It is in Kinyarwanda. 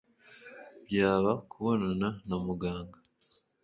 byaba kubonana na muganga